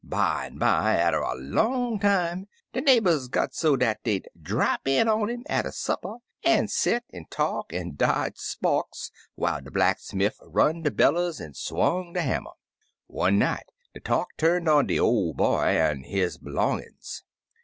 "Bimeby, atter so long a time, de neigh bors got so dat dey'd drap in on 'im atter supper an' set an' talk an' dodge sparks whiles de blacksmiff run de bellus an' swung de hammer. One night, de talk turned on de or Boy an' his b'longin's.